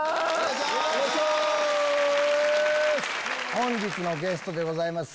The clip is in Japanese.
本日のゲストでございます。